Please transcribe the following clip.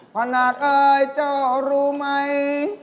พนักเอ้ยเจ้ารู้ไหม